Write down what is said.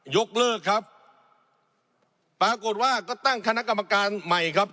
ยกเลิกครับปรากฏว่าก็ตั้งคณะกรรมการใหม่ครับ